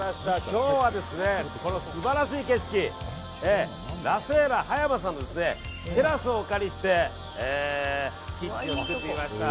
今日は、この素晴らしい景色ラ・セーラ葉山さんのテラスをお借りしてキッチンを作ってみました。